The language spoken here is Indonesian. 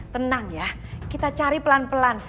tenang ya kita cari pelan pelan